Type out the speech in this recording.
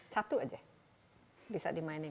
satu aja bisa dimainkan